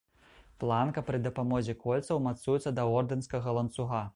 Планка пры дапамозе кольцаў мацуецца да ордэнскага ланцуга.